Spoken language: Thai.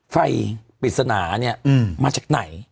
ไฟปิดสนานี่มาจากไหน